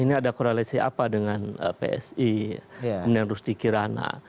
ini ada korelasi apa dengan psi kemudian rusti kirana